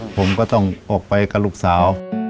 ผมก็ต้องออกไปกับลูกสาว